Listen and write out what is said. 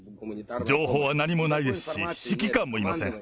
情報は何もないですし、指揮官もいません。